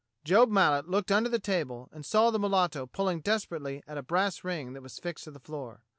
^^" Job Mallet looked under the table and saw the mulatto pulling desperately at a brass ring that was fixed to the floor.